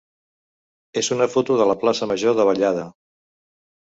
és una foto de la plaça major de Vallada.